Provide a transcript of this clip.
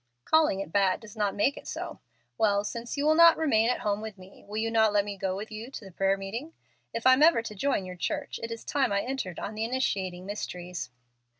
"Calling it 'bad' does not make it so. Well, since you will not remain at home with me, will you not let me go with you to the prayer meeting? If I'm ever to join your church, it is time I entered on the initiating mysteries."